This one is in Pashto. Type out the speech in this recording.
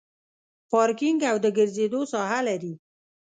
پارکینګ او د ګرځېدو ساحه لري.